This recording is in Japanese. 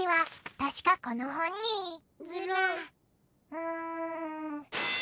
うん。